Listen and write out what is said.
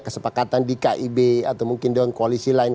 kesepakatan di kib atau mungkin dengan koalisi lain